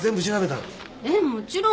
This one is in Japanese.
ええもちろん。